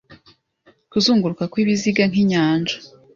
kuzunguruka kwibiziga Nkinyanja